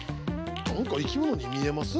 何か生き物に見えます？